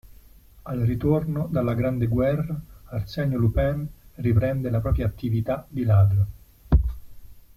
Al ritorno dalla Grande Guerra Arsenio Lupin riprende la propria "attività" di ladro.